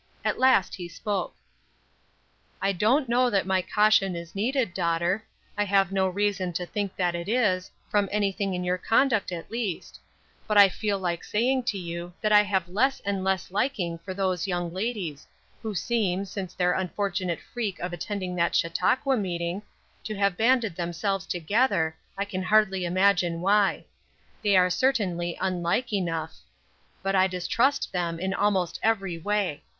At last he spoke: "I don't know that my caution is needed, daughter I have no reason to think that it is, from anything in your conduct at least; but I feel like saying to you that I have less and less liking for those young ladies, who seem, since their unfortunate freak of attending that Chautauqua meeting, to have banded themselves together, I can hardly imagine why; they are certainly unlike enough. But I distrust them in almost every way.